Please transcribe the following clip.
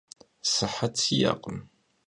Sıhet si'ekhım.